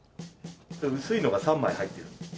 薄いのが３枚入ってるんです。